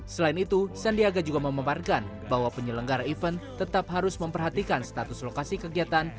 selain itu sandiaga juga memaparkan bahwa penyelenggara event tetap harus memperhatikan status lokasi kegiatan